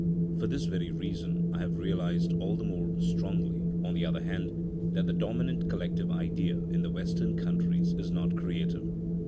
For this very reason I have realised all the more strongly, on the other hand, that the dominant collective idea in the Western countries is not creative.